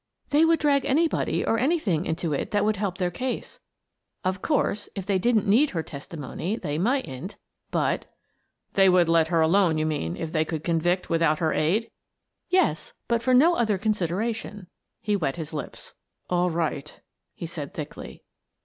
" They would drag anybody or anything into it that would help their case. Of course, if they didn't need her testimony, they mightn't, but —" "They would let her alone, you mean, if they could convict without her aid?" " Yes, but for no other consideration." He wet his lips. " All right," he said, thickly.